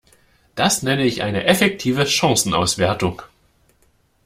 Das nenne ich eine effektive Chancenauswertung!